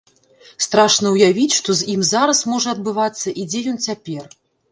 Страшна ўявіць, што з ім зараз можа адбывацца і дзе ён цяпер.